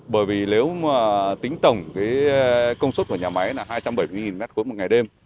bởi vì nếu tính tổng công suất của nhà máy là hai trăm bảy mươi m ba một ngày đêm